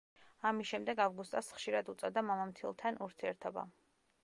ამის შემდეგ ავგუსტას ხშირად უწევდა მამამთილთან ურთიერთობა.